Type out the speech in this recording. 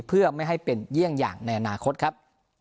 เพื่อไม่ให้เป็นเยี่ยงอย่างในอนาคตครับ